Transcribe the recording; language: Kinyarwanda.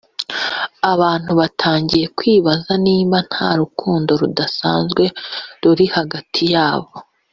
abantu batangiye kwibaza niba nta rukundo rudasanzwe ruri hagati yabo